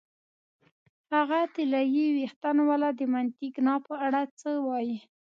هغه طلايي وېښتانو والا، د مانتیګنا په اړه څه وایې؟